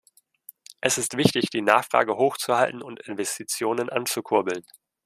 Es ist wichtig, die Nachfrage hoch zu halten und Investitionen anzukurbeln.